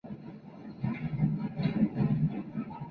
Carlos y sus amigos tomaron mucho.